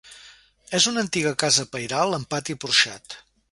És una antiga casa pairal amb pati porxat.